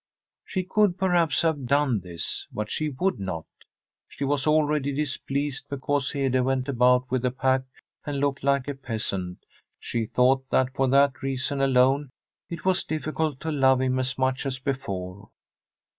She could, perhaps, have done this, but she would not. She was already displeased because Hede went about with a pack and looked like a peasant; she thought that for that reason alone it was difficult to love him as much as before.